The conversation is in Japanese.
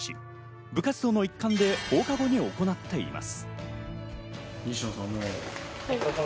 部活動の一環で放課後に行っています。